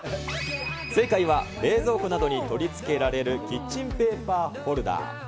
正解は冷蔵庫などに取り付けられるキッチンペーパーホルダー。